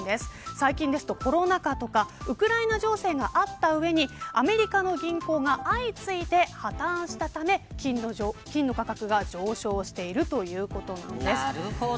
最近ですと、コロナ禍とかウクライナ情勢があった上にアメリカの銀行が相次いで破綻したため、金の価格が上昇しているということなんです。